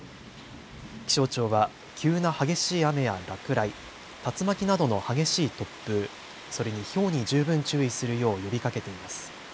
気象庁は急な激しい雨や落雷、竜巻などの激しい突風、それにひょうに十分注意するよう呼びかけています。